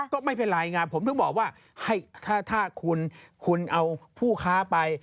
ก็ไม่เป็นไรไงผมถึงบอกว่าถ้าคุณเอาผู้ค้าไป